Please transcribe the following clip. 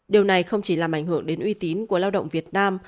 điều này không chỉ làm ảnh hưởng đến uy tín của lao động việt nam